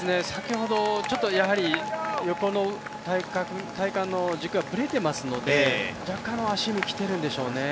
先ほど、横の体幹の軸がぶれていますので若干、足にきてるんでしょうね。